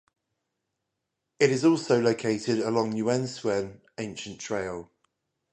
It is also located along the Yuen Tsuen Ancient Trail.